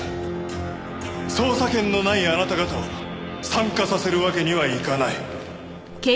捜査権のないあなた方を参加させるわけにはいかない。